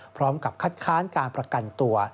พร้อมกับคัดค้านการประกันตัว